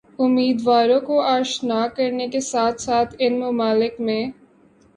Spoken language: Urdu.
امیدواروں کو آشنا کرنے کے ساتھ ساتھ ان ممالک میں